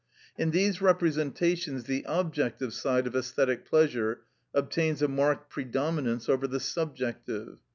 In these representations the objective side of æsthetic pleasure obtains a marked predominance over the subjective.